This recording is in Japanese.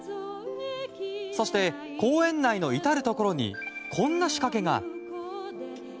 そして、公園内の至るところにこんな仕掛けが。